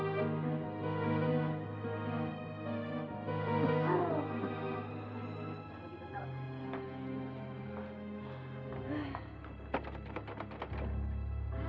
sebaiknya d aisyah dibawa ke dokter ya